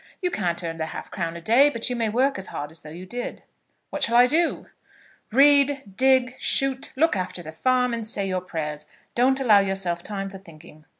You can't earn the half crown a day, but you may work as hard as though you did." "What shall I do?" "Read, dig, shoot, look after the farm, and say your prayers. Don't allow yourself time for thinking."